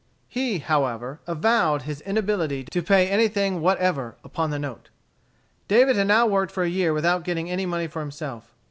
He, however, avowed his inability to pay anything whatever, upon the note. David had now worked a year without getting any money for himself.